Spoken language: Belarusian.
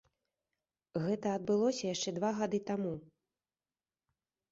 Гэта адбылося яшчэ два гады таму.